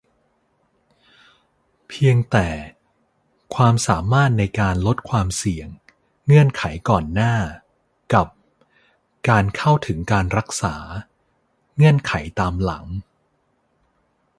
เพียงแต่ "ความสามารถในการลดความเสี่ยง" เงื่อนไขก่อนหน้า กับ "การเข้าถึงการรักษา" เงื่อนไขตามหลัง